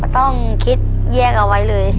ต้องคิดแยกเอาไว้เลย